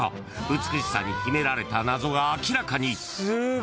美しさに秘められた謎が明らかに。